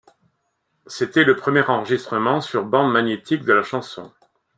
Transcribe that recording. C'était le premier enregistrement sur bande magnétique de la chanson.